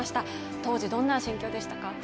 当時、どんな心境でしたか？